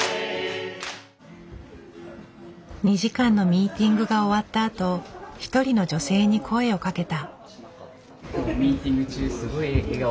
２時間のミーティングが終わったあと一人の女性に声をかけた。